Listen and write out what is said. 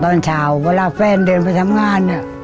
ตอนเช้าเวลาแฟนเดินไปทำงานเนี่ย